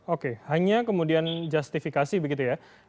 oke hanya kemudian justifikasi begitu ya